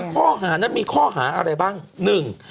ข้อหานั้นมีข้อหาอะไรบ้าง